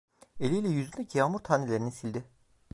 Eliyle yüzündeki yağmur tanelerini sildi.